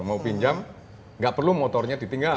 mau pinjam nggak perlu motornya ditinggal